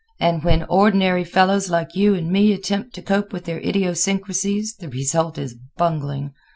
And when ordinary fellows like you and me attempt to cope with their idiosyncrasies the result is bungling.